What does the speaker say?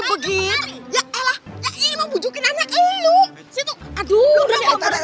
eh lu tuh yang pulang